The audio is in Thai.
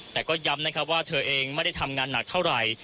แต่ก็ย้ำนะครับว่าเธอเองไม่ได้ทำงานหนักเท่าไหร่